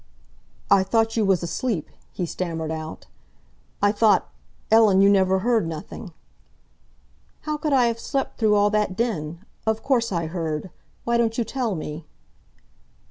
"I thought you was asleep," he stammered out. "I thought, Ellen, you never heard nothing." "How could I have slept through all that din? Of course I heard. Why don't you tell me?"